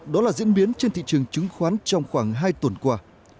đó là diễn biến trên thị trường chứng khoán trong khoảng hai tuần qua